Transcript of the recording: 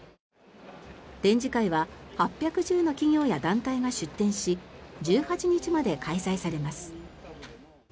展示会は８１０の企業や団体が出展し１８日まで開催されます。